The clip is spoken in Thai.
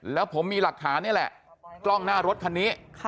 แล้วผมมีหลักฐานนี่แหละกล้องหน้ารถคันนี้